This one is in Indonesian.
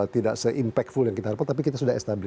tidak se impactful yang kita harapkan tapi kita sudah establis